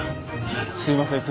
すいません